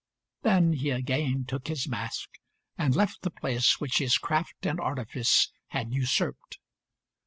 Then he again took his mask and left the place which his craft and artifice had usurped.